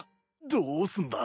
どうすんだ？